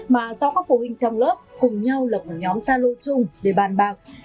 mà do các phụ huynh trong lớp cùng nhau lập một nhóm xa lô chung để bàn bạc